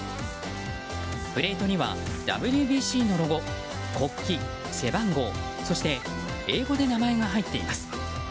プレートにはＷＢＣのロゴ、国旗、背番号そして、英語で名前が入っています。